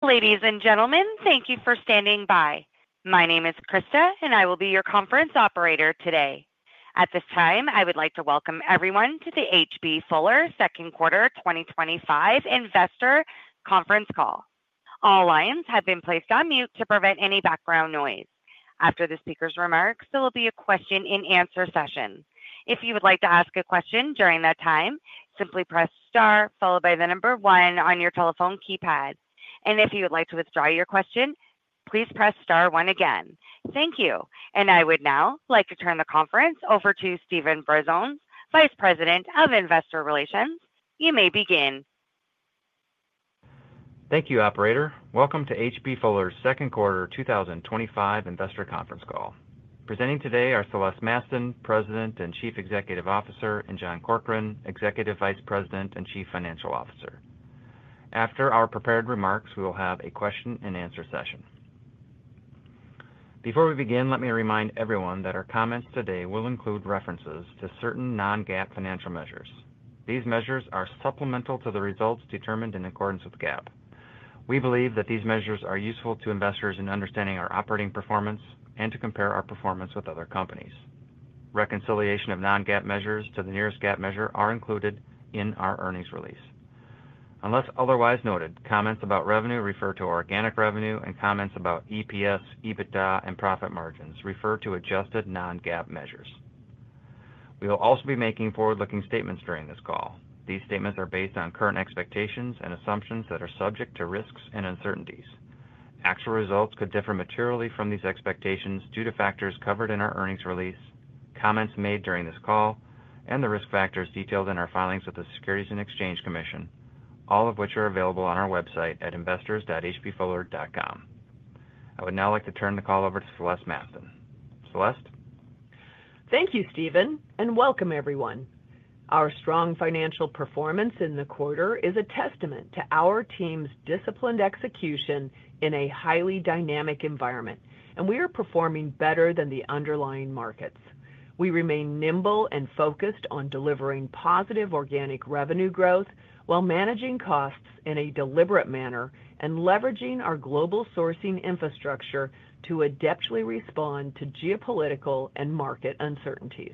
Ladies and gentlemen, thank you for standing by. My name is Krista, and I will be your conference operator today. At this time, I would like to welcome everyone to the H.B. Fuller Second Quarter 2025 Investor Conference Call. All lines have been placed on mute to prevent any background noise. After the speaker's remarks, there will be a question-and-answer session. If you would like to ask a question during that time, simply press star followed by the number one on your telephone keypad. If you would like to withdraw your question, please press star one again. Thank you. I would now like to turn the conference over to Steven Brazones, Vice President of Investor Relations. You may begin. Thank you, Operator. Welcome to H.B. Fuller Second Quarter 2025 Investor Conference Call. Presenting today are Celeste Mastin, President and Chief Executive Officer, and John Corkrean, Executive Vice President and Chief Financial Officer. After our prepared remarks, we will have a question-and-answer session. Before we begin, let me remind everyone that our comments today will include references to certain non-GAAP financial measures. These measures are supplemental to the results determined in accordance with GAAP. We believe that these measures are useful to investors in understanding our operating performance and to compare our performance with other companies. Reconciliation of non-GAAP measures to the nearest GAAP measure are included in our earnings release. Unless otherwise noted, comments about revenue refer to organic revenue, and comments about EPS, EBITDA, and profit margins refer to adjusted non-GAAP measures. We will also be making forward-looking statements during this call. These statements are based on current expectations and assumptions that are subject to risks and uncertainties. Actual results could differ materially from these expectations due to factors covered in our earnings release, comments made during this call, and the risk factors detailed in our filings with the Securities and Exchange Commission, all of which are available on our website at investors.hbfuller.com. I would now like to turn the call over to Celeste Mastin. Celeste? Thank you, Steven, and welcome, everyone. Our strong financial performance in the quarter is a testament to our team's disciplined execution in a highly dynamic environment, and we are performing better than the underlying markets. We remain nimble and focused on delivering positive organic revenue growth while managing costs in a deliberate manner and leveraging our global sourcing infrastructure to adeptly respond to geopolitical and market uncertainties.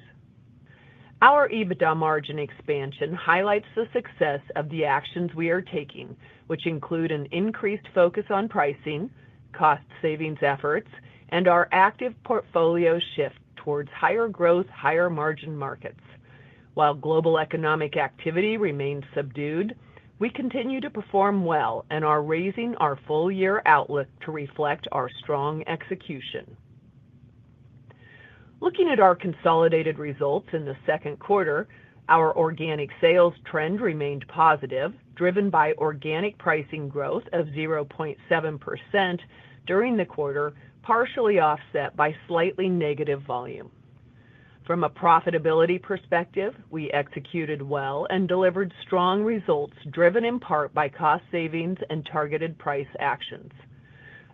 Our EBITDA margin expansion highlights the success of the actions we are taking, which include an increased focus on pricing, cost savings efforts, and our active portfolio shift towards higher growth, higher margin markets. While global economic activity remained subdued, we continue to perform well and are raising our full-year outlook to reflect our strong execution. Looking at our consolidated results in the second quarter, our organic sales trend remained positive, driven by organic pricing growth of 0.7% during the quarter, partially offset by slightly negative volume. From a profitability perspective, we executed well and delivered strong results driven in part by cost savings and targeted price actions.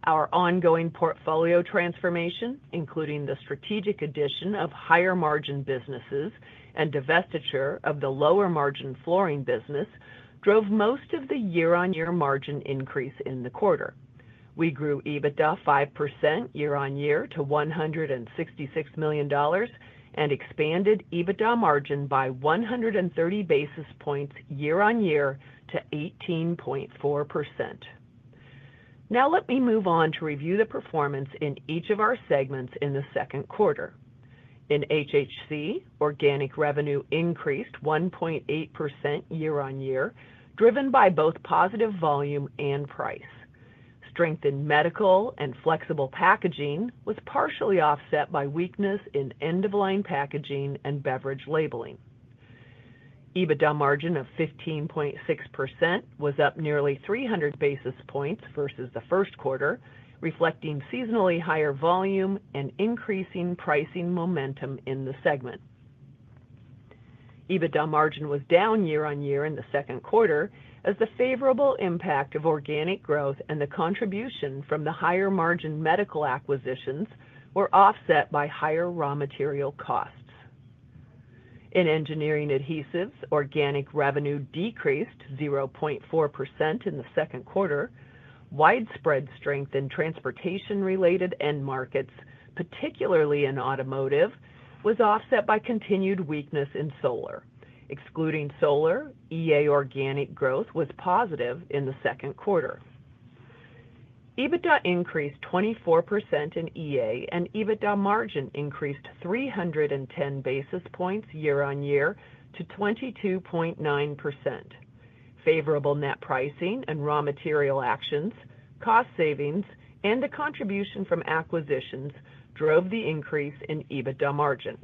Our ongoing portfolio transformation, including the strategic addition of higher margin businesses and divestiture of the lower margin flooring business, drove most of the year-on-year margin increase in the quarter. We grew EBITDA 5% year-on-year to $166 million and expanded EBITDA margin by 130 basis points year-on-year to 18.4%. Now let me move on to review the performance in each of our segments in the second quarter. In HHC, organic revenue increased 1.8% year-on-year, driven by both positive volume and price. Strength in medical and flexible packaging was partially offset by weakness in end-of-line packaging and beverage labeling. EBITDA margin of 15.6% was up nearly 300 basis points versus the first quarter, reflecting seasonally higher volume and increasing pricing momentum in the segment. EBITDA margin was down year-on-year in the second quarter as the favorable impact of organic growth and the contribution from the higher margin medical acquisitions were offset by higher raw material costs. In Engineering Adhesives, organic revenue decreased 0.4% in the second quarter. Widespread strength in transportation-related end markets, particularly in automotive, was offset by continued weakness in solar. Excluding solar, EA organic growth was positive in the second quarter. EBITDA increased 24% in EA, and EBITDA margin increased 310 basis points year-on-year to 22.9%. Favorable net pricing and raw material actions, cost savings, and the contribution from acquisitions drove the increase in EBITDA margin.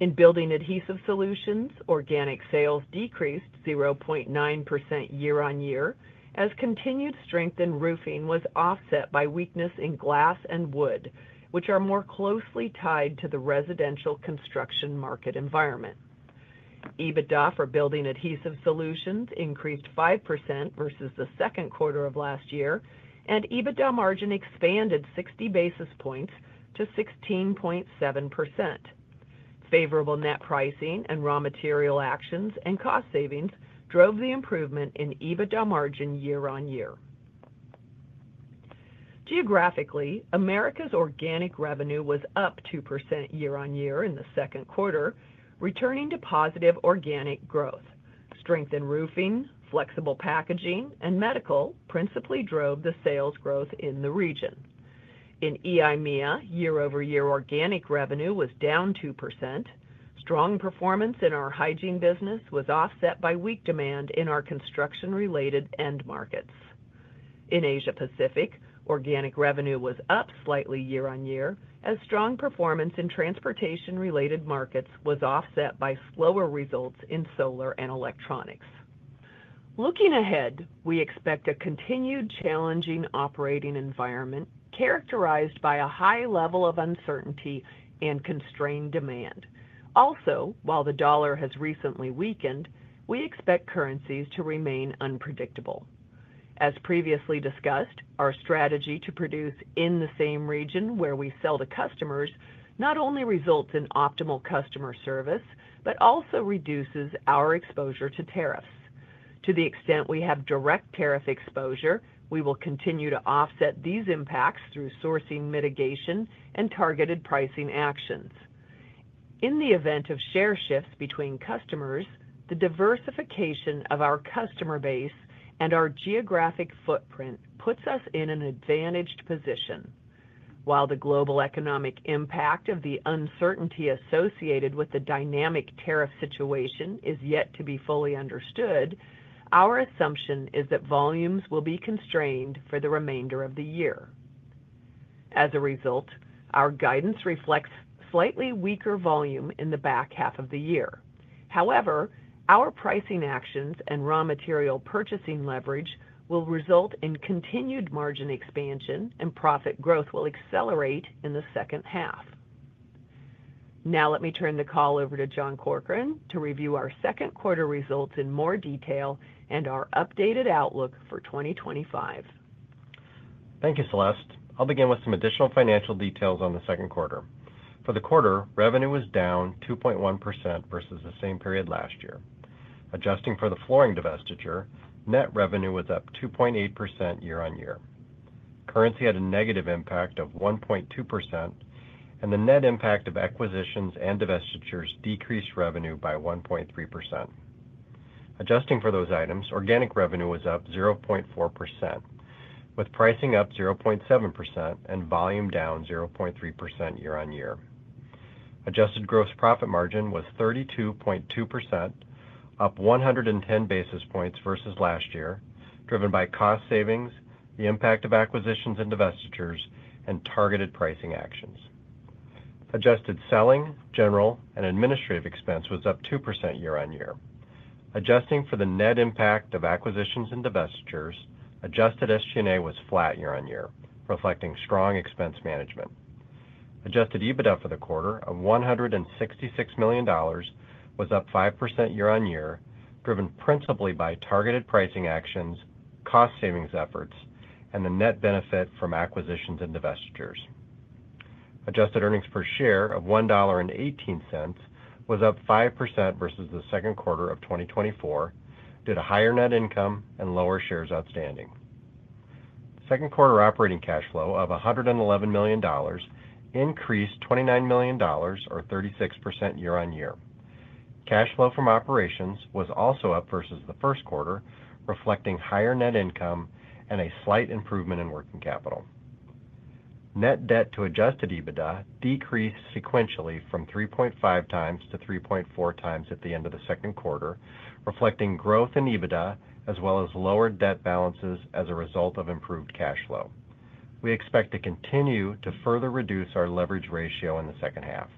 In Building Adhesive Solutions, organic sales decreased 0.9% year-on-year as continued strength in roofing was offset by weakness in glass and wood, which are more closely tied to the residential construction market environment. EBITDA for Building Adhesive Solutions increased 5% versus the second quarter of last year, and EBITDA margin expanded 60 basis points to 16.7%. Favorable net pricing and raw material actions and cost savings drove the improvement in EBITDA margin year-on-year. Geographically, America's organic revenue was up 2% year-on-year in the second quarter, returning to positive organic growth. Strength in roofing, flexible packaging, and medical principally drove the sales growth in the region. In EIMEA, year-over-year organic revenue was down 2%. Strong performance in our hygiene business was offset by weak demand in our construction-related end markets. In Asia-Pacific, organic revenue was up slightly year-on-year as strong performance in transportation-related markets was offset by slower results in solar and electronics. Looking ahead, we expect a continued challenging operating environment characterized by a high level of uncertainty and constrained demand. Also, while the dollar has recently weakened, we expect currencies to remain unpredictable. As previously discussed, our strategy to produce in the same region where we sell to customers not only results in optimal customer service but also reduces our exposure to tariffs. To the extent we have direct tariff exposure, we will continue to offset these impacts through sourcing mitigation and targeted pricing actions. In the event of share shifts between customers, the diversification of our customer base and our geographic footprint puts us in an advantaged position. While the global economic impact of the uncertainty associated with the dynamic tariff situation is yet to be fully understood, our assumption is that volumes will be constrained for the remainder of the year. As a result, our guidance reflects slightly weaker volume in the back half of the year. However, our pricing actions and raw material purchasing leverage will result in continued margin expansion, and profit growth will accelerate in the second half. Now let me turn the call over to John Corkrean to review our second quarter results in more detail and our updated outlook for 2025. Thank you, Celeste. I'll begin with some additional financial details on the second quarter. For the quarter, revenue was down 2.1% versus the same period last year. Adjusting for the flooring divestiture, net revenue was up 2.8% year-on-year. Currency had a negative impact of 1.2%, and the net impact of acquisitions and divestitures decreased revenue by 1.3%. Adjusting for those items, organic revenue was up 0.4%, with pricing up 0.7% and volume down 0.3% year-on-year. Adjusted gross profit margin was 32.2%, up 110 basis points versus last year, driven by cost savings, the impact of acquisitions and divestitures, and targeted pricing actions. Adjusted selling, general, and administrative expense was up 2% year-on-year. Adjusting for the net impact of acquisitions and divestitures, adjusted SG&A was flat year-on-year, reflecting strong expense management. Adjusted EBITDA for the quarter of $166 million was up 5% year-on-year, driven principally by targeted pricing actions, cost savings efforts, and the net benefit from acquisitions and divestitures. Adjusted earnings per share of $1.18 was up 5% versus the second quarter of 2024, due to higher net income and lower shares outstanding. Second quarter operating cash flow of $111 million increased $29 million, or 36% year-on-year. Cash flow from operations was also up versus the first quarter, reflecting higher net income and a slight improvement in working capital. Net debt to adjusted EBITDA decreased sequentially from 3.5 times to 3.4 times at the end of the second quarter, reflecting growth in EBITDA as well as lower debt balances as a result of improved cash flow. We expect to continue to further reduce our leverage ratio in the second half.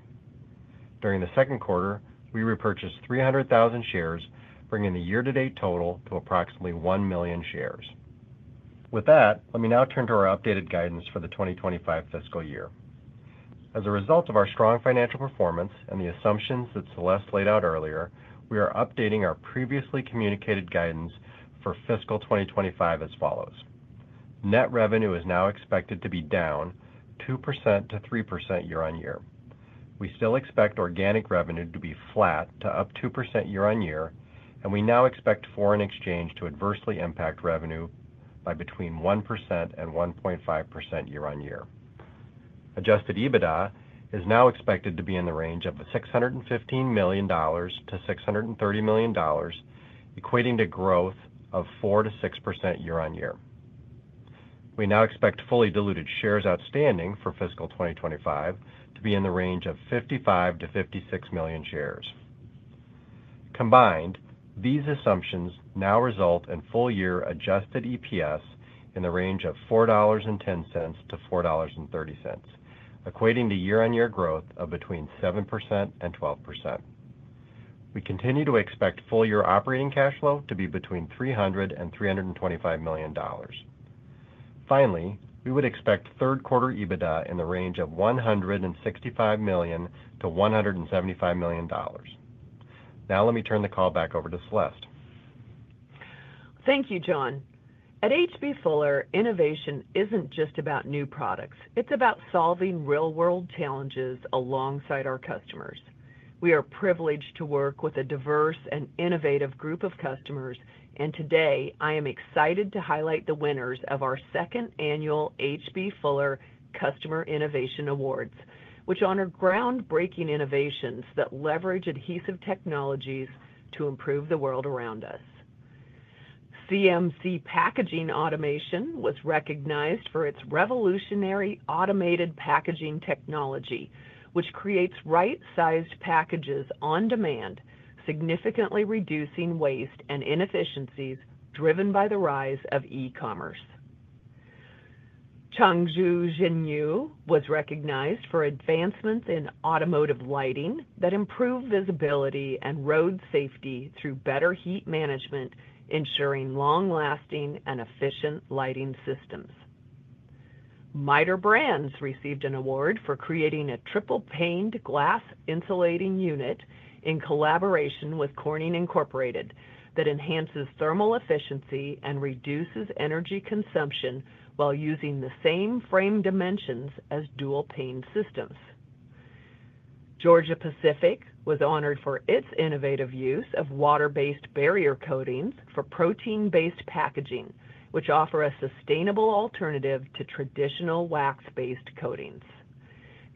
During the second quarter, we repurchased 300,000 shares, bringing the year-to-date total to approximately 1 million shares. With that, let me now turn to our updated guidance for the 2025 fiscal year. As a result of our strong financial performance and the assumptions that Celeste laid out earlier, we are updating our previously communicated guidance for fiscal 2025 as follows. Net revenue is now expected to be down 2%-3% year-on-year. We still expect organic revenue to be flat to up 2% year-on-year, and we now expect foreign exchange to adversely impact revenue by between 1% and 1.5% year-on-year. Adjusted EBITDA is now expected to be in the range of $615 million-$630 million, equating to growth of 4%-6% year-on-year. We now expect fully diluted shares outstanding for fiscal 2025 to be in the range of 55 million-56 million shares. Combined, these assumptions now result in full-year adjusted EPS in the range of $4.10-$4.30, equating to year-on-year growth of between 7% and 12%. We continue to expect full-year operating cash flow to be between $300 million and $325 million. Finally, we would expect third quarter EBITDA in the range of $165 million-$175 million. Now let me turn the call back over to Celeste. Thank you, John. At H.B. Fuller, innovation isn't just about new products. It's about solving real-world challenges alongside our customers. We are privileged to work with a diverse and innovative group of customers, and today I am excited to highlight the winners of our second annual H.B. Fuller Customer Innovation Awards, which honor groundbreaking innovations that leverage adhesive technologies to improve the world around us. CMC Packaging Automation was recognized for its revolutionary automated packaging technology, which creates right-sized packages on demand, significantly reducing waste and inefficiencies driven by the rise of e-commerce. Chengzhu Jinyu was recognized for advancements in automotive lighting that improve visibility and road safety through better heat management, ensuring long-lasting and efficient lighting systems. Miter Brands received an award for creating a triple-paned glass insulating unit in collaboration with Corning Incorporated that enhances thermal efficiency and reduces energy consumption while using the same frame dimensions as dual-paned systems. Georgia-Pacific was honored for its innovative use of water-based barrier coatings for protein-based packaging, which offer a sustainable alternative to traditional wax-based coatings.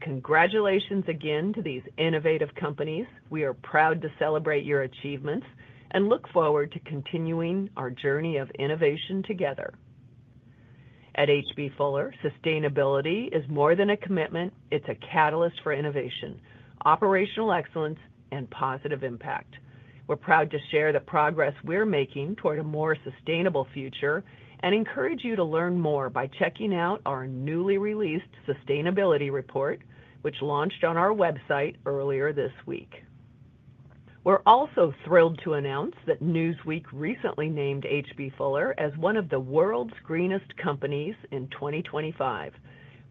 Congratulations again to these innovative companies. We are proud to celebrate your achievements and look forward to continuing our journey of innovation together. At H.B. Fuller, sustainability is more than a commitment; it's a catalyst for innovation, operational excellence, and positive impact. We're proud to share the progress we're making toward a more sustainable future and encourage you to learn more by checking out our newly released sustainability report, which launched on our website earlier this week. We're also thrilled to announce that Newsweek recently named H.B. Fuller as one of the world's greenest companies in 2025.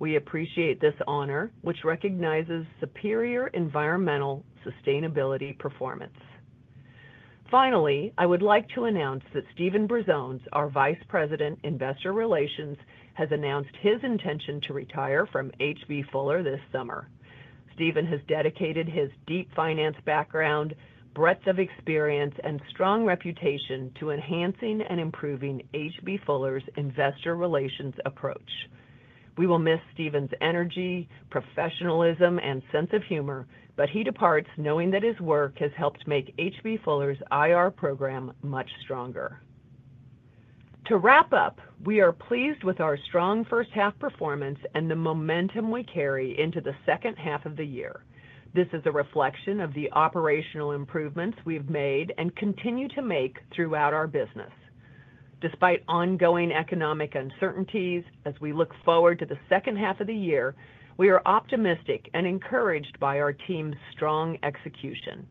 We appreciate this honor, which recognizes superior environmental sustainability performance. Finally, I would like to announce that Steven Brazones, our Vice President, Investor Relations, has announced his intention to retire from H.B. Fuller this summer. Steven has dedicated his deep finance background, breadth of experience, and strong reputation to enhancing and improving H.B. Fuller's investor relations approach. We will miss Steven's energy, professionalism, and sense of humor, but he departs knowing that his work has helped make H.B. Fuller's IR program much stronger. To wrap up, we are pleased with our strong first-half performance and the momentum we carry into the second half of the year. This is a reflection of the operational improvements we've made and continue to make throughout our business. Despite ongoing economic uncertainties, as we look forward to the second half of the year, we are optimistic and encouraged by our team's strong execution.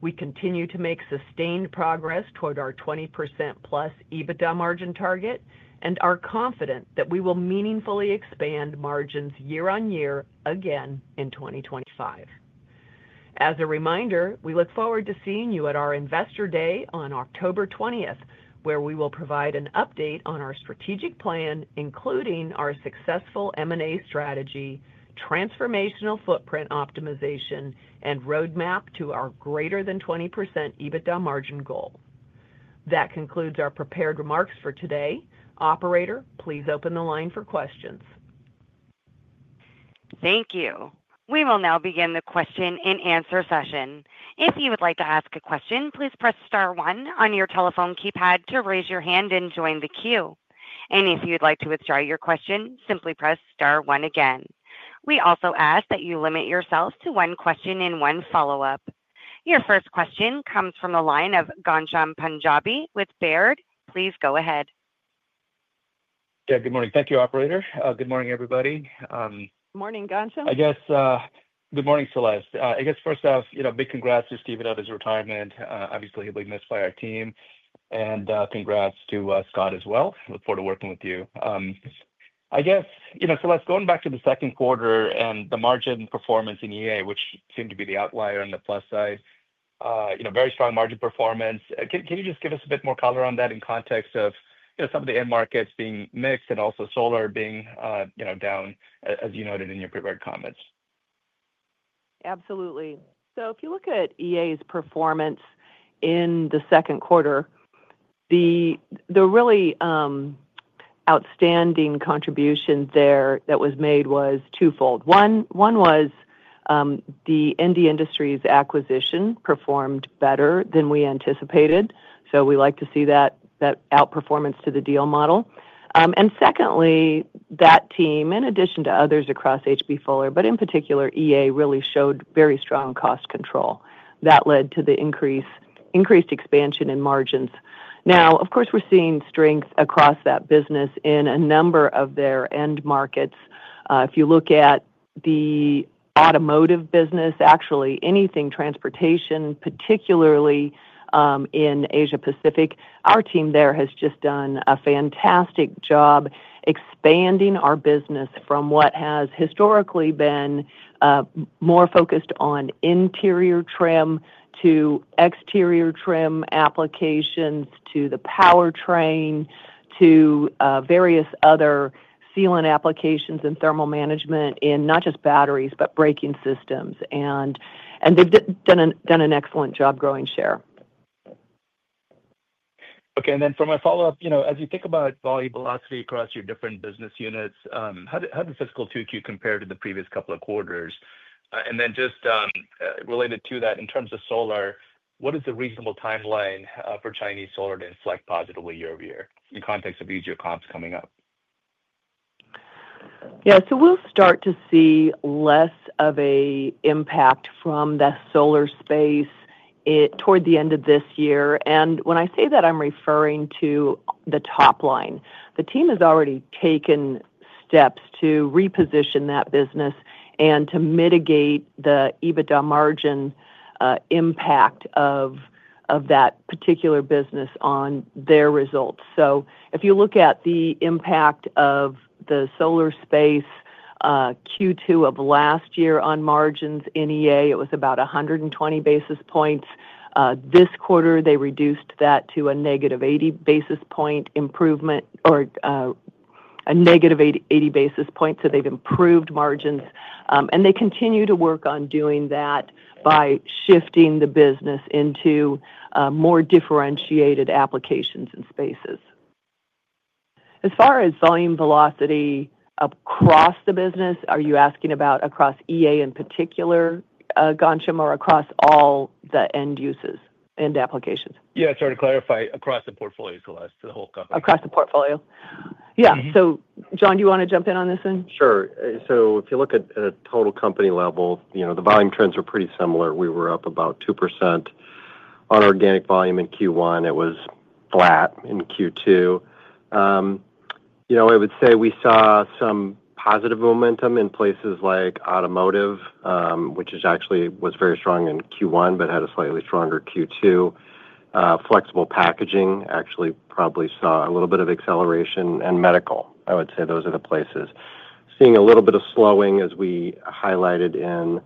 We continue to make sustained progress toward our 20% plus EBITDA margin target, and are confident that we will meaningfully expand margins year-on-year again in 2025. As a reminder, we look forward to seeing you at our Investor Day on October 20th, where we will provide an update on our strategic plan, including our successful M&A strategy, transformational footprint optimization, and roadmap to our greater than 20% EBITDA margin goal. That concludes our prepared remarks for today. Operator, please open the line for questions. Thank you. We will now begin the question and answer session. If you would like to ask a question, please press star one on your telephone keypad to raise your hand and join the queue. If you'd like to withdraw your question, simply press star one again. We also ask that you limit yourself to one question and one follow-up. Your first question comes from the line of Ghansham Panjabi with Baird. Please go ahead. Yeah, good morning. Thank you, Operator. Good morning, everybody. Morning, Gonsham. I guess, good morning, Celeste. I guess first off, you know, big congrats to Steven on his retirement. Obviously, he'll be missed by our team. And congrats to Scott as well. Look forward to working with you. I guess, you know, Celeste, going back to the second quarter and the margin performance in EA, which seemed to be the outlier on the plus side, you know, very strong margin performance. Can you just give us a bit more color on that in context of, you know, some of the end markets being mixed and also solar being, you know, down, as you noted in your prepared comments? Absolutely. If you look at EA's performance in the second quarter, the really outstanding contribution there that was made was twofold. One was the Indie Industries acquisition performed better than we anticipated. We like to see that outperformance to the deal model. Secondly, that team, in addition to others across H.B. Fuller, but in particular, EA really showed very strong cost control. That led to the increased expansion in margins. Of course, we're seeing strength across that business in a number of their end markets. If you look at the automotive business, actually anything transportation, particularly in Asia-Pacific, our team there has just done a fantastic job expanding our business from what has historically been more focused on interior trim to exterior trim applications to the powertrain to various other sealant applications and thermal management in not just batteries, but braking systems. They've done an excellent job growing share. Okay. And then for my follow-up, you know, as you think about volume velocity across your different business units, how did fiscal 2Q compare to the previous couple of quarters? Just related to that, in terms of solar, what is the reasonable timeline for Chinese solar to inflect positively year over year in context of these year comps coming up? Yeah. We'll start to see less of an impact from the solar space toward the end of this year. When I say that, I'm referring to the top line. The team has already taken steps to reposition that business and to mitigate the EBITDA margin impact of that particular business on their results. If you look at the impact of the solar space Q2 of last year on margins in EA, it was about 120 basis points. This quarter, they reduced that to a negative 80 basis point improvement or a negative 80 basis point. They've improved margins. They continue to work on doing that by shifting the business into more differentiated applications and spaces. As far as volume velocity across the business, are you asking about across EA in particular, Gonsham, or across all the end uses and applications? Yeah. Sorry, to clarify, across the portfolio, Celeste, the whole company. Across the portfolio. Yeah. John, do you want to jump in on this one? Sure. So if you look at a total company level, you know, the volume trends are pretty similar. We were up about 2% on organic volume in Q1. It was flat in Q2. You know, I would say we saw some positive momentum in places like automotive, which actually was very strong in Q1, but had a slightly stronger Q2. Flexible packaging actually probably saw a little bit of acceleration. And medical, I would say those are the places seeing a little bit of slowing as we highlighted in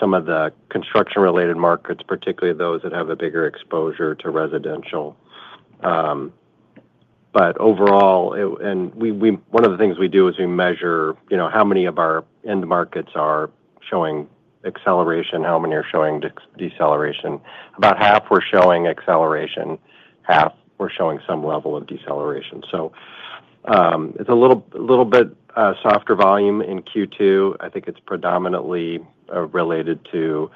some of the construction-related markets, particularly those that have a bigger exposure to residential. Overall, one of the things we do is we measure, you know, how many of our end markets are showing acceleration, how many are showing deceleration. About half were showing acceleration. Half were showing some level of deceleration. It's a little bit softer volume in Q2. I think it's predominantly related to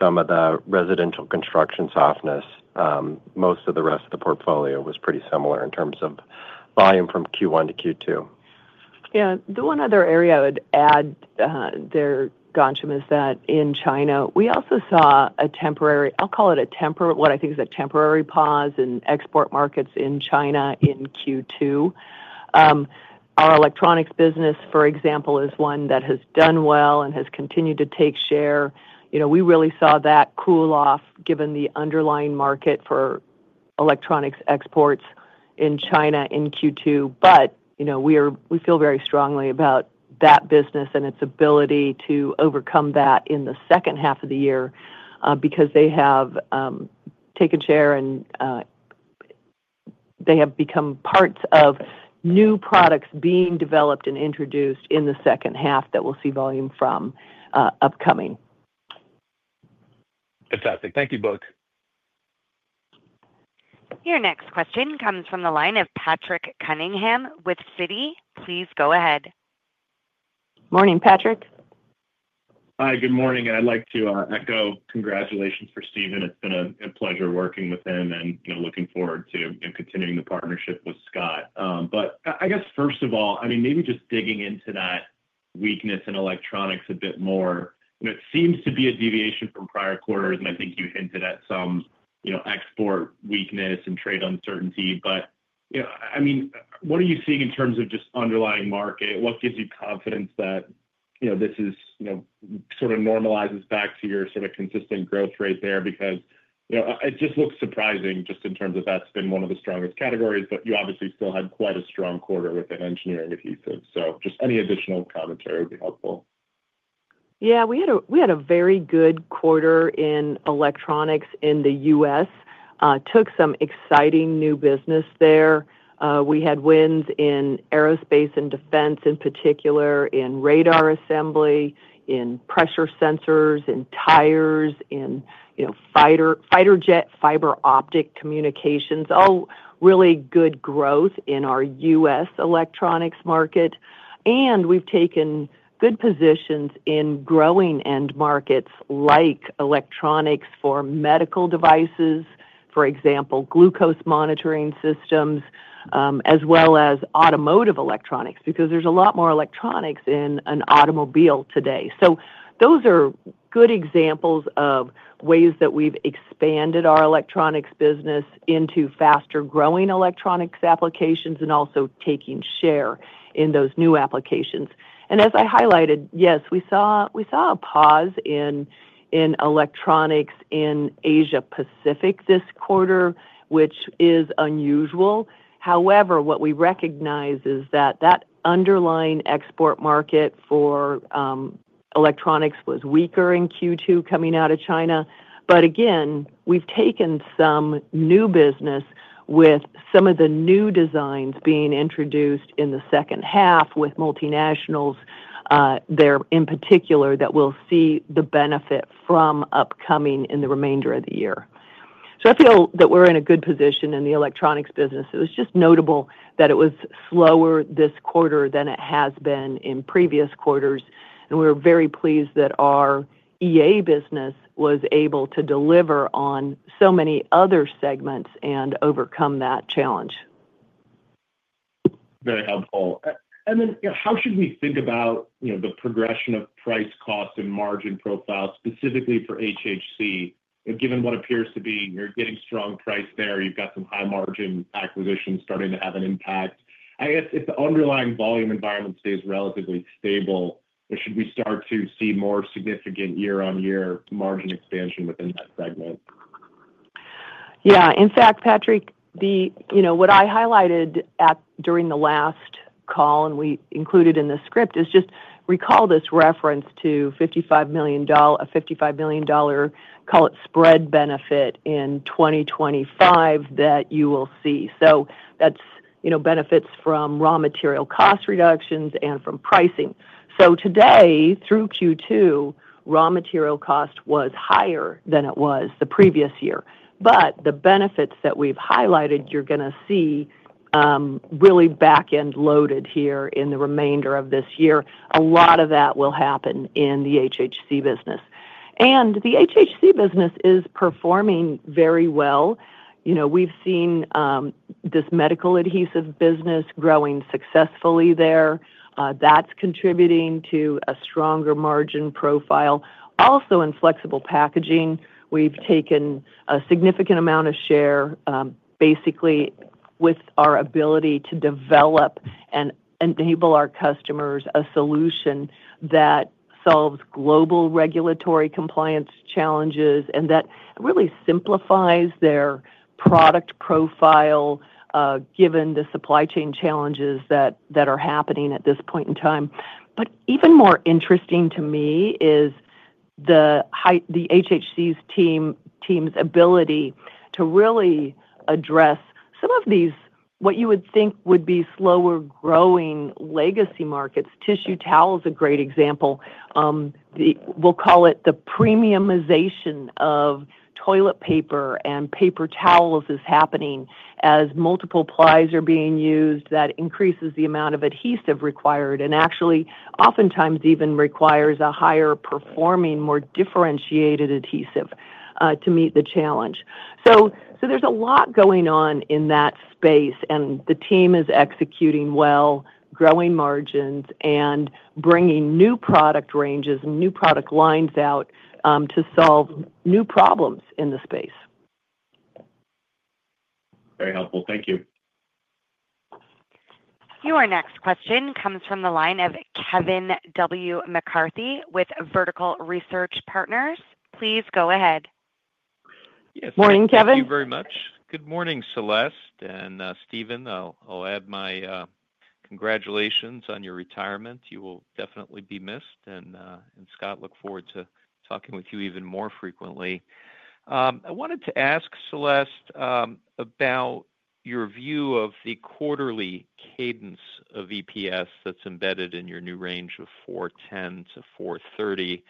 some of the residential construction softness. Most of the rest of the portfolio was pretty similar in terms of volume from Q1 to Q2. Yeah. The one other area I would add there, Ghansham, is that in China, we also saw a temporary, I'll call it a temporary, what I think is a temporary pause in export markets in China in Q2. Our electronics business, for example, is one that has done well and has continued to take share. You know, we really saw that cool off given the underlying market for electronics exports in China in Q2. You know, we feel very strongly about that business and its ability to overcome that in the second half of the year because they have taken share and they have become parts of new products being developed and introduced in the second half that we'll see volume from upcoming. Fantastic. Thank you both. Your next question comes from the line of Patrick Cunningham with Citi. Please go ahead. Morning, Patrick. Hi, good morning. I'd like to echo congratulations for Steven. It's been a pleasure working with him and, you know, looking forward to continuing the partnership with Scott. I guess first of all, I mean, maybe just digging into that weakness in electronics a bit more. You know, it seems to be a deviation from prior quarters. I think you hinted at some, you know, export weakness and trade uncertainty. But, you know, I mean, what are you seeing in terms of just underlying market? What gives you confidence that, you know, this is, you know, sort of normalizes back to your sort of consistent growth rate there? Because, you know, it just looks surprising just in terms of that's been one of the strongest categories. You obviously still had quite a strong quarter within engineering adhesives. Just any additional commentary would be helpful. Yeah. We had a very good quarter in electronics in the U.S. Took some exciting new business there. We had wins in aerospace and defense in particular, in radar assembly, in pressure sensors, in tires, in, you know, fighter jet fiber optic communications. All really good growth in our U.S. electronics market. We have taken good positions in growing end markets like electronics for medical devices, for example, glucose monitoring systems, as well as automotive electronics because there is a lot more electronics in an automobile today. Those are good examples of ways that we have expanded our electronics business into faster growing electronics applications and also taking share in those new applications. As I highlighted, yes, we saw a pause in electronics in Asia-Pacific this quarter, which is unusual. However, what we recognize is that the underlying export market for electronics was weaker in Q2 coming out of China. We have taken some new business with some of the new designs being introduced in the second half with multinationals there in particular that we will see the benefit from upcoming in the remainder of the year. I feel that we are in a good position in the electronics business. It was just notable that it was slower this quarter than it has been in previous quarters. We are very pleased that our EA business was able to deliver on so many other segments and overcome that challenge. Very helpful. And then, you know, how should we think about, you know, the progression of price, cost, and margin profile specifically for HHC? Given what appears to be, you're getting strong price there. You've got some high margin acquisitions starting to have an impact. I guess if the underlying volume environment stays relatively stable, should we start to see more significant year-on-year margin expansion within that segment? Yeah. In fact, Patrick, you know, what I highlighted during the last call and we included in the script is just recall this reference to $55 million, a $55 million, call it spread benefit in 2025 that you will see. That is, you know, benefits from raw material cost reductions and from pricing. Today, through Q2, raw material cost was higher than it was the previous year. The benefits that we've highlighted, you're going to see really back-end loaded here in the remainder of this year. A lot of that will happen in the HHC business. The HHC business is performing very well. You know, we've seen this medical adhesive business growing successfully there. That is contributing to a stronger margin profile. Also in flexible packaging, we've taken a significant amount of share basically with our ability to develop and enable our customers a solution that solves global regulatory compliance challenges and that really simplifies their product profile given the supply chain challenges that are happening at this point in time. Even more interesting to me is the HHC team's ability to really address some of these what you would think would be slower growing legacy markets. Tissue towel is a great example. We'll call it the premiumization of toilet paper and paper towels is happening as multiple plies are being used that increases the amount of adhesive required and actually oftentimes even requires a higher performing, more differentiated adhesive to meet the challenge. There is a lot going on in that space. The team is executing well, growing margins, and bringing new product ranges and new product lines out to solve new problems in the space. Very helpful. Thank you. Your next question comes from the line of Kevin W. McCarthy with Vertical Research Partners. Please go ahead. Yes. Morning, Kevin. Thank you very much. Good morning, Celeste and Steven. I'll add my congratulations on your retirement. You will definitely be missed. And Scott, look forward to talking with you even more frequently. I wanted to ask Celeste about your view of the quarterly cadence of EPS that's embedded in your new range of $4.10-$4.30.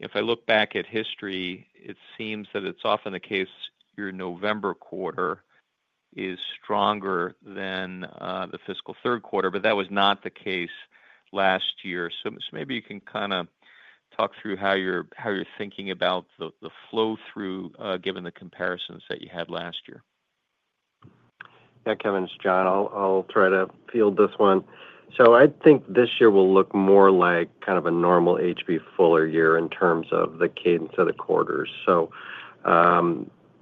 If I look back at history, it seems that it's often the case your November quarter is stronger than the fiscal third quarter. But that was not the case last year. So maybe you can kind of talk through how you're thinking about the flow through given the comparisons that you had last year. Yeah, Kevin, it's John. I'll try to field this one. I think this year will look more like kind of a normal H.B. Fuller year in terms of the cadence of the quarters.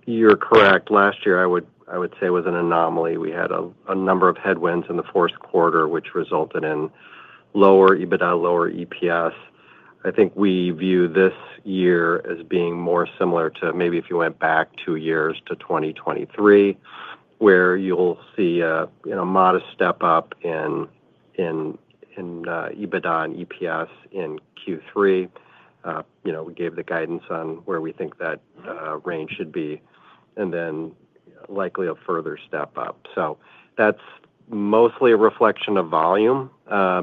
You're correct. Last year, I would say was an anomaly. We had a number of headwinds in the fourth quarter, which resulted in lower EBITDA, lower EPS. I think we view this year as being more similar to maybe if you went back two years to 2023, where you'll see a modest step up in EBITDA and EPS in Q3. You know, we gave the guidance on where we think that range should be and then likely a further step up. That's mostly a reflection of volume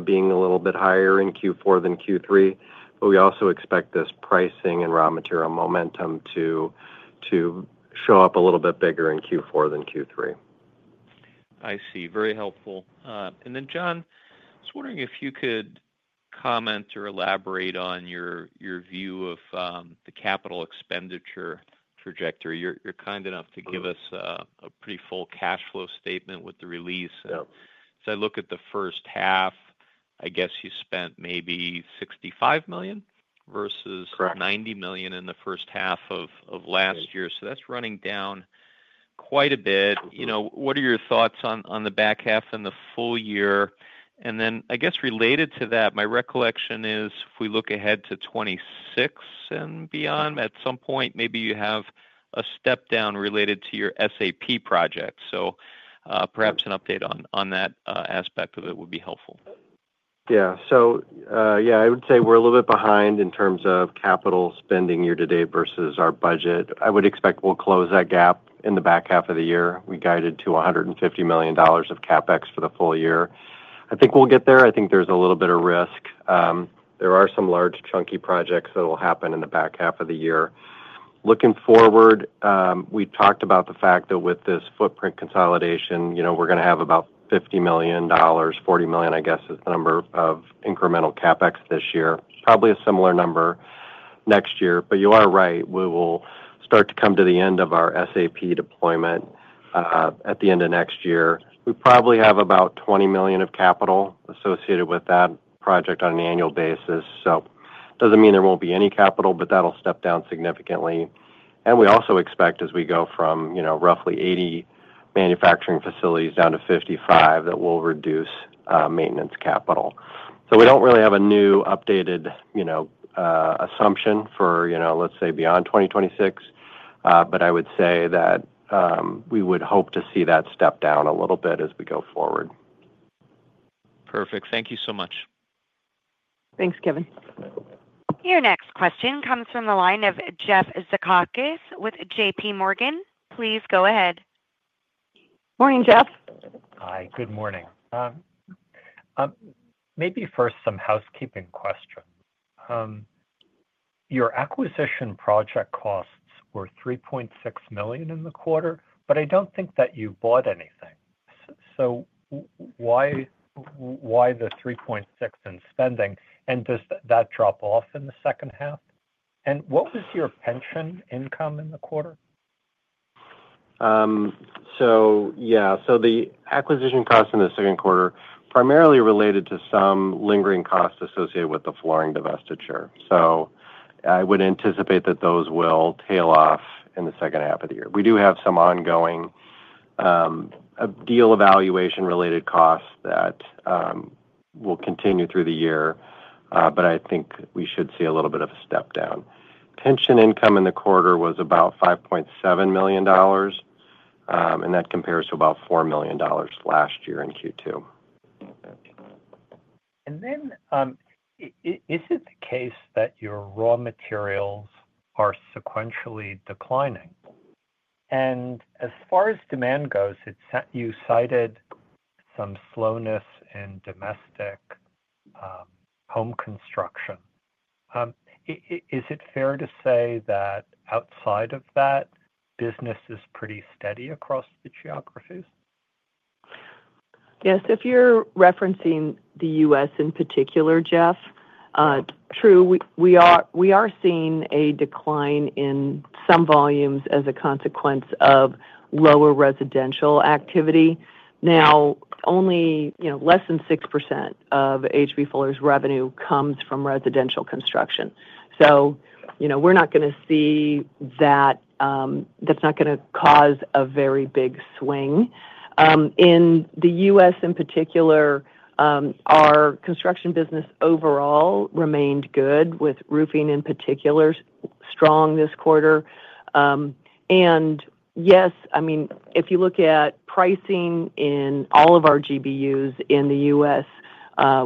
being a little bit higher in Q4 than Q3. We also expect this pricing and raw material momentum to show up a little bit bigger in Q4 than Q3. I see. Very helpful. John, I was wondering if you could comment or elaborate on your view of the capital expenditure trajectory. You are kind enough to give us a pretty full cash flow statement with the release. As I look at the first half, I guess you spent maybe $65 million versus $90 million in the first half of last year. That is running down quite a bit. You know, what are your thoughts on the back half and the full year? I guess related to that, my recollection is if we look ahead to 2026 and beyond, at some point, maybe you have a step down related to your SAP project. Perhaps an update on that aspect of it would be helpful. Yeah. Yeah, I would say we're a little bit behind in terms of capital spending year to date versus our budget. I would expect we'll close that gap in the back half of the year. We guided to $150 million of CapEx for the full year. I think we'll get there. I think there's a little bit of risk. There are some large chunky projects that will happen in the back half of the year. Looking forward, we talked about the fact that with this footprint consolidation, you know, we're going to have about $50 million, $40 million, I guess, is the number of incremental CapEx this year. Probably a similar number next year. But you are right. We will start to come to the end of our SAP deployment at the end of next year. We probably have about $20 million of capital associated with that project on an annual basis. It does not mean there will not be any capital, but that will step down significantly. We also expect as we go from, you know, roughly 80 manufacturing facilities down to 55 that we will reduce maintenance capital. We do not really have a new updated, you know, assumption for, you know, let us say beyond 2026. I would say that we would hope to see that step down a little bit as we go forward. Perfect. Thank you so much. Thanks, Kevin. Your next question comes from the line of Jeff Zekauskas with J.P. Morgan. Please go ahead. Morning, Jeff. Hi. Good morning. Maybe first some housekeeping questions. Your acquisition project costs were $3.6 million in the quarter, but I don't think that you bought anything. Why the $3.6 million in spending? Does that drop off in the second half? What was your pension income in the quarter? Yeah. The acquisition costs in the second quarter primarily related to some lingering costs associated with the flooring divestiture. I would anticipate that those will tail off in the second half of the year. We do have some ongoing deal evaluation-related costs that will continue through the year. I think we should see a little bit of a step down. Pension income in the quarter was about $5.7 million. That compares to about $4 million last year in Q2. Is it the case that your raw materials are sequentially declining? As far as demand goes, you cited some slowness in domestic home construction. Is it fair to say that outside of that, business is pretty steady across the geographies? Yes. If you're referencing the U.S. in particular, Jeff, true. We are seeing a decline in some volumes as a consequence of lower residential activity. Now, only, you know, less than 6% of H.B. Fuller's revenue comes from residential construction. So, you know, we're not going to see that. That's not going to cause a very big swing. In the U.S. in particular, our construction business overall remained good with roofing in particular strong this quarter. Yes, I mean, if you look at pricing in all of our GBUs in the U.S.,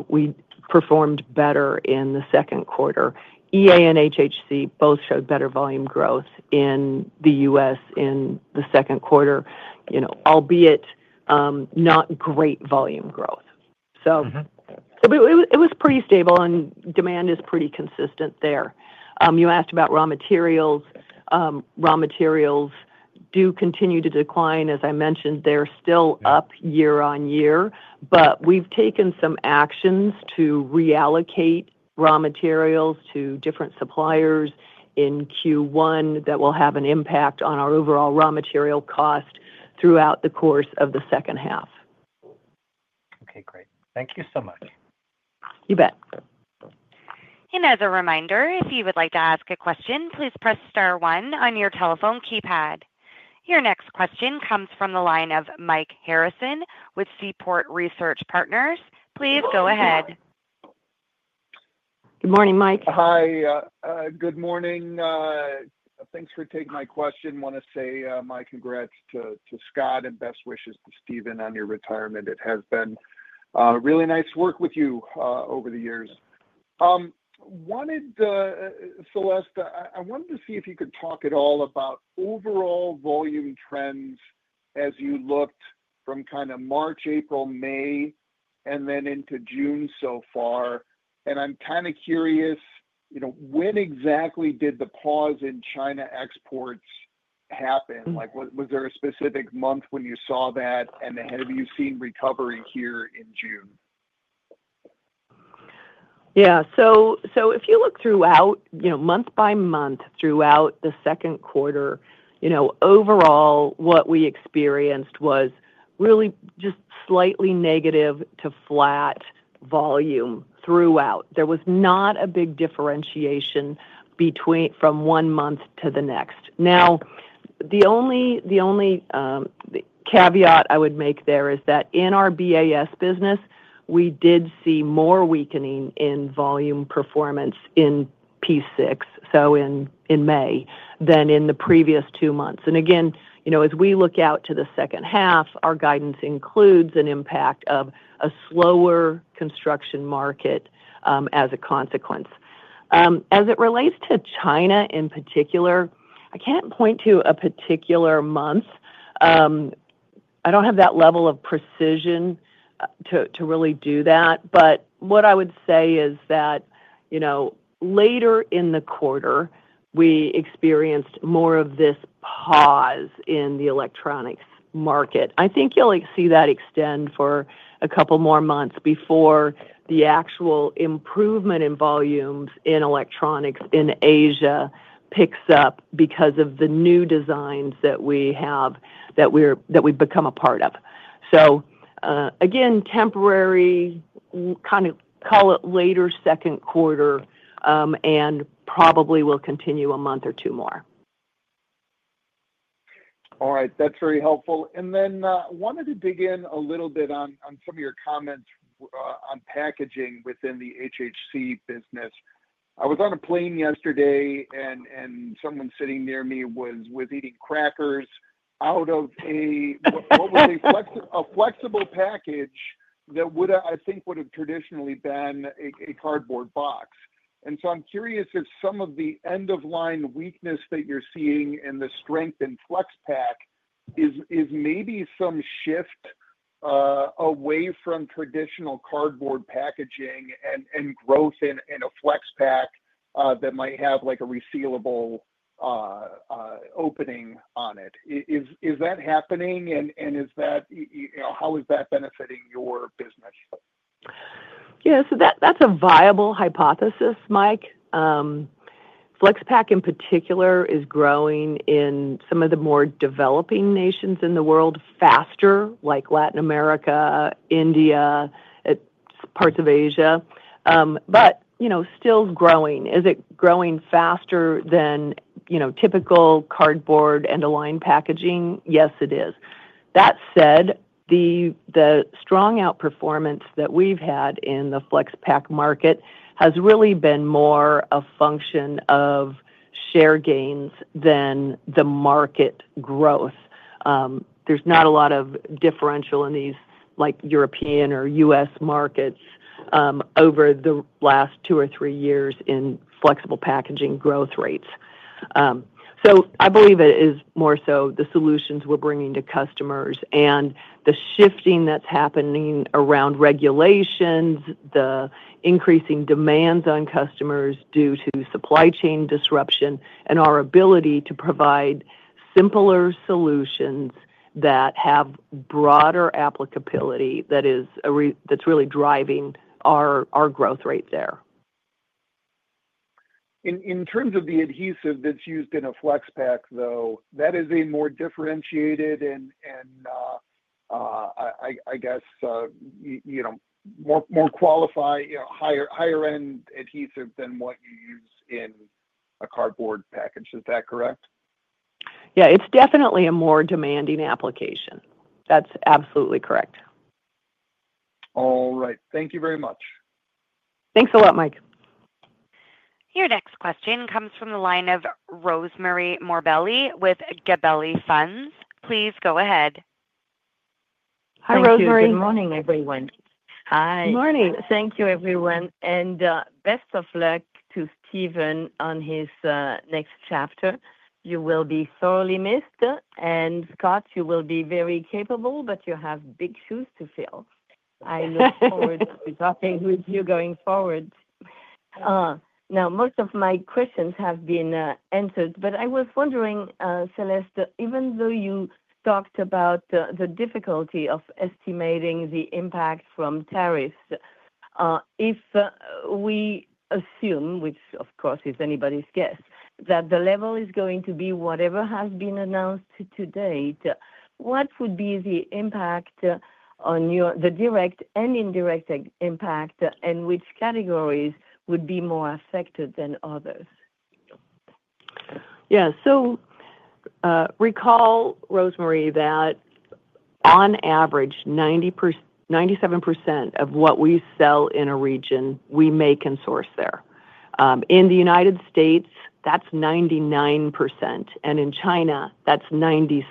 we performed better in the second quarter. EA and HHC both showed better volume growth in the U.S. in the second quarter, you know, albeit not great volume growth. It was pretty stable and demand is pretty consistent there. You asked about raw materials. Raw materials do continue to decline. As I mentioned, they're still up year on year. We have taken some actions to reallocate raw materials to different suppliers in Q1 that will have an impact on our overall raw material cost throughout the course of the second half. Okay. Great. Thank you so much. You bet. As a reminder, if you would like to ask a question, please press star one on your telephone keypad. Your next question comes from the line of Mike Harrison with Seaport Research Partners. Please go ahead. Good morning, Mike. Hi. Good morning. Thanks for taking my question. Want to say my congrats to Scott and best wishes to Steven on your retirement. It has been really nice to work with you over the years. Celeste, I wanted to see if you could talk at all about overall volume trends as you looked from kind of March, April, May, and then into June so far. I'm kind of curious, you know, when exactly did the pause in China exports happen? Like, was there a specific month when you saw that? Have you seen recovery here in June? Yeah. So if you look throughout, you know, month by month throughout the second quarter, you know, overall, what we experienced was really just slightly negative to flat volume throughout. There was not a big differentiation from one month to the next. Now, the only caveat I would make there is that in our BAS business, we did see more weakening in volume performance in P6, so in May, than in the previous two months. And again, you know, as we look out to the second half, our guidance includes an impact of a slower construction market as a consequence. As it relates to China in particular, I can't point to a particular month. I don't have that level of precision to really do that. But what I would say is that, you know, later in the quarter, we experienced more of this pause in the electronics market. I think you'll see that extend for a couple more months before the actual improvement in volumes in electronics in Asia picks up because of the new designs that we have that we've become a part of. Again, temporary, kind of call it later second quarter, and probably will continue a month or two more. All right. That's very helpful. I wanted to dig in a little bit on some of your comments on packaging within the HHC business. I was on a plane yesterday, and someone sitting near me was eating crackers out of a, what was a flexible package that I think would have traditionally been a cardboard box. I'm curious if some of the end-of-line weakness that you're seeing and the strength in flex pack is maybe some shift away from traditional cardboard packaging and growth in a flex pack that might have like a resealable opening on it. Is that happening? How is that benefiting your business? Yeah. So that's a viable hypothesis, Mike. Flex pack in particular is growing in some of the more developing nations in the world faster, like Latin America, India, parts of Asia. But, you know, still growing. Is it growing faster than, you know, typical cardboard and aligned packaging? Yes, it is. That said, the strong outperformance that we've had in the flex pack market has really been more a function of share gains than the market growth. There's not a lot of differential in these, like, European or U.S. markets over the last two or three years in flexible packaging growth rates. I believe it is more so the solutions we're bringing to customers and the shifting that's happening around regulations, the increasing demands on customers due to supply chain disruption, and our ability to provide simpler solutions that have broader applicability that is really driving our growth rate there. In terms of the adhesive that's used in a flex pack, though, that is a more differentiated and, I guess, you know, more qualified, you know, higher-end adhesive than what you use in a cardboard package. Is that correct? Yeah. It's definitely a more demanding application. That's absolutely correct. All right. Thank you very much. Thanks a lot, Mike. Your next question comes from the line of Rosemarie Morbelli with Gabelli Funds. Please go ahead. Hi, Rosemary. Hi, good morning, everyone. Hi. Good morning. Thank you, everyone. Best of luck to Steven on his next chapter. You will be sorely missed. Scott, you will be very capable, but you have big shoes to fill. I look forward to talking with you going forward. Now, most of my questions have been answered. I was wondering, Celeste, even though you talked about the difficulty of estimating the impact from tariffs, if we assume, which, of course, is anybody's guess, that the level is going to be whatever has been announced to date, what would be the impact on the direct and indirect impact, and which categories would be more affected than others? Yeah. So recall, Rosemarie, that on average, 97% of what we sell in a region, we make and source there. In the United States, that's 99%. And in China, that's 96%.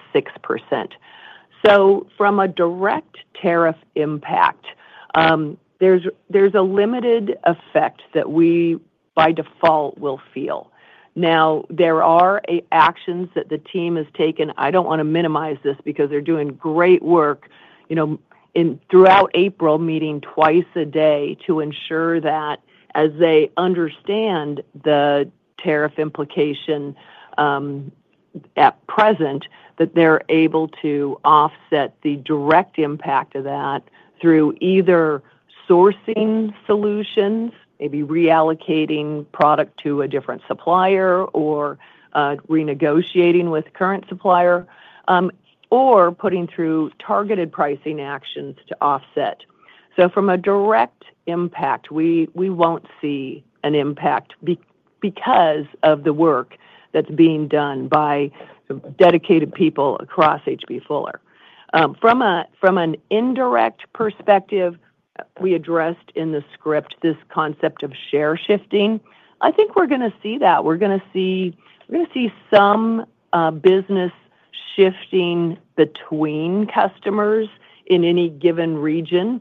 From a direct tariff impact, there's a limited effect that we, by default, will feel. Now, there are actions that the team has taken. I don't want to minimize this because they're doing great work, you know, throughout April, meeting twice a day to ensure that as they understand the tariff implication at present, that they're able to offset the direct impact of that through either sourcing solutions, maybe reallocating product to a different supplier or renegotiating with current supplier, or putting through targeted pricing actions to offset. From a direct impact, we won't see an impact because of the work that's being done by dedicated people across H.B. Fuller. From an indirect perspective, we addressed in the script this concept of share shifting. I think we're going to see that. We're going to see some business shifting between customers in any given region.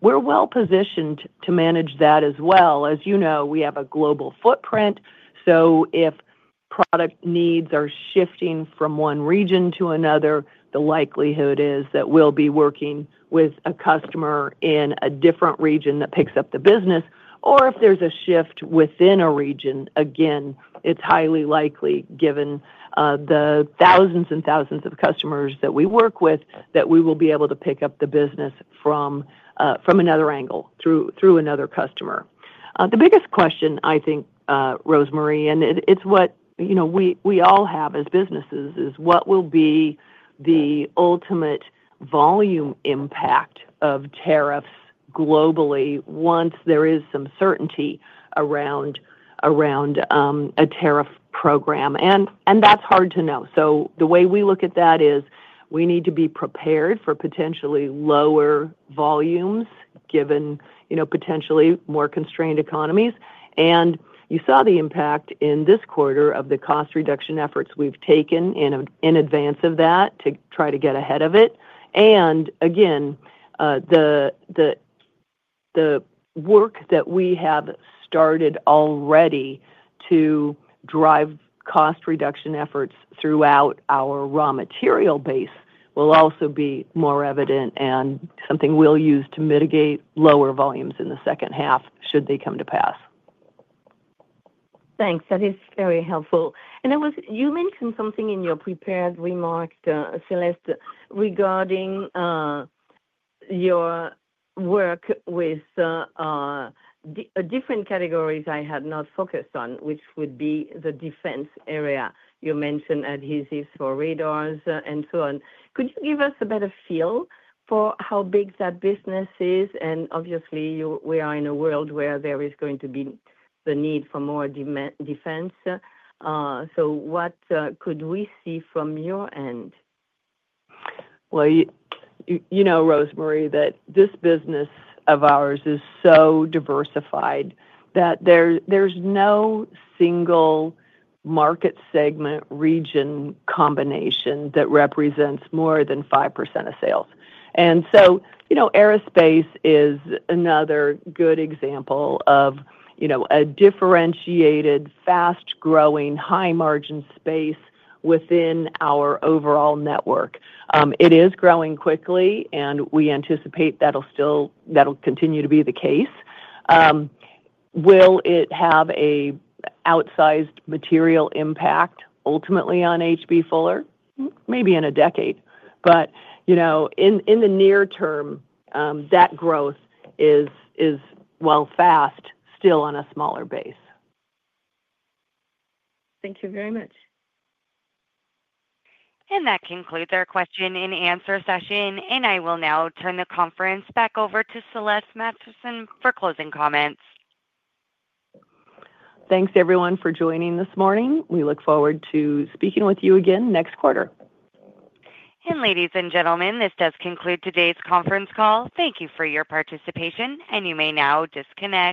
We're well positioned to manage that as well. As you know, we have a global footprint. If product needs are shifting from one region to another, the likelihood is that we'll be working with a customer in a different region that picks up the business. If there's a shift within a region, again, it's highly likely, given the thousands and thousands of customers that we work with, that we will be able to pick up the business from another angle through another customer. The biggest question, I think, Rosemary, and it's what, you know, we all have as businesses, is what will be the ultimate volume impact of tariffs globally once there is some certainty around a tariff program. That's hard to know. The way we look at that is we need to be prepared for potentially lower volumes given, you know, potentially more constrained economies. You saw the impact in this quarter of the cost reduction efforts we've taken in advance of that to try to get ahead of it. The work that we have started already to drive cost reduction efforts throughout our raw material base will also be more evident and something we'll use to mitigate lower volumes in the second half should they come to pass. Thanks. That is very helpful. You mentioned something in your prepared remarks, Celeste, regarding your work with different categories I had not focused on, which would be the defense area. You mentioned adhesives for radars and so on. Could you give us a better feel for how big that business is? Obviously, we are in a world where there is going to be the need for more defense. What could we see from your end? You know, Rosemary, this business of ours is so diversified that there is no single market segment region combination that represents more than 5% of sales. You know, aerospace is another good example of, you know, a differentiated, fast-growing, high-margin space within our overall network. It is growing quickly, and we anticipate that will continue to be the case. Will it have an outsized material impact ultimately on H.B. Fuller? Maybe in a decade. You know, in the near term, that growth is, while fast, still on a smaller base. Thank you very much. That concludes our question and answer session. I will now turn the conference back over to Celeste Mastin for closing comments. Thanks, everyone, for joining this morning. We look forward to speaking with you again next quarter. Ladies and gentlemen, this does conclude today's conference call. Thank you for your participation. You may now disconnect.